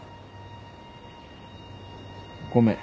ごめん。